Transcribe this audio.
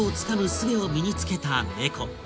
術を身に着けた猫